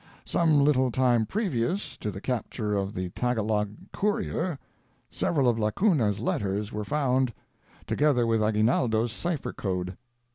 Some little time previous to the capture of the Tagalog courier, several of Lacuna's letters were found, together with Aguinaldo's cipher code.